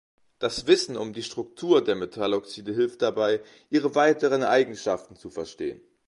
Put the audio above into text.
Das Wissen um die Struktur der Metalloxide hilft dabei, ihre weiteren Eigenschaften zu verstehen.